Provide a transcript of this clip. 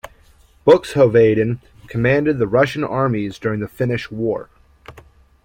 Buxhoeveden commanded the Russian armies during the Finnish War.